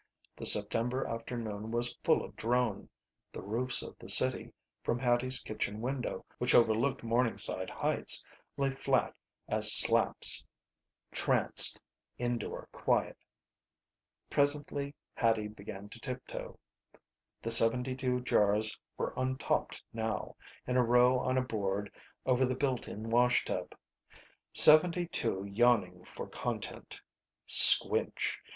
The September afternoon was full of drone. The roofs of the city from Hattie's kitchen window, which overlooked Morningside Heights, lay flat as slaps. Tranced, indoor quiet. Presently Hattie began to tiptoe. The seventy two jars were untopped now, in a row on a board over the built in washtub. Seventy two yawning for content. Squnch!